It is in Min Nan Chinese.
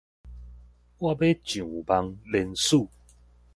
我欲上網連署